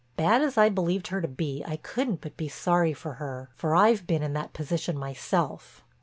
Bad as I believed her to be I couldn't but be sorry for her, for I've been in that position myself.